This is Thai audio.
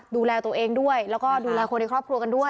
ดูแลตัวเองด้วยแล้วก็ดูแลคนในครอบครัวกันด้วย